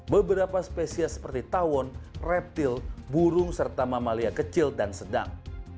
beberapa spesies seperti tawon reptil burung serta mamalia kecil dan sedang